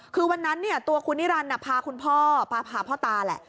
คือวันนั้นตัวคุณนิรันดิ์พาพ่อตาแหละ